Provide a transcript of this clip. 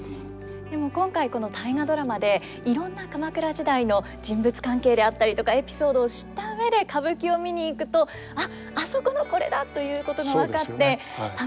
でも今回この「大河ドラマ」でいろんな鎌倉時代の人物関係であったりとかエピソードを知った上で歌舞伎を見に行くと「あっあそこのこれだ」ということが分かって楽しいでしょうね。